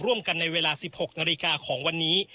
ร่วมกันในเวลา๑๖นาฬิกาของวันนี้